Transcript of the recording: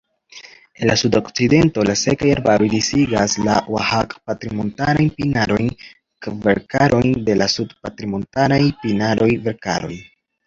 En la sudokcidento la sekaj arbaroj disigas la oaĥak-patrinmontarajn pinarojn-kverkarojn de la sud-patrinmontaraj pinaroj-kverkaroj.